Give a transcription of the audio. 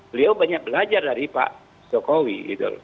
beliau banyak belajar dari pak jokowi gitu loh